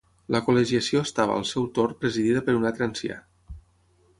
La col·legiació estava al seu torn presidida per un altre ancià.